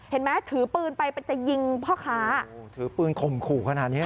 เห็นไหมถือปืนไปไปจะยิงพ่อค้าถือปืนคมขู่ขนาดเนี้ยน่ะ